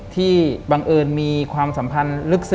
ที่บังเอิญมีความสัมพันธ์